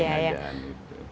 iya ketidaksengajaan itu